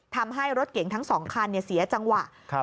ทำให้รถเก๋งทั้ง๒คันเสียจังหวะ